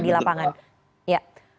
di lapangan iya